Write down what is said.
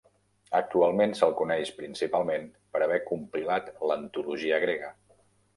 Actualment se'l coneix principalment per haver compilat l'antologia grega.